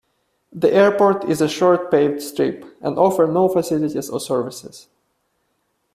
The airport is a short paved strip, and offer no facilities or services.